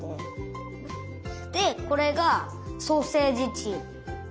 でこれがソーセージチーム。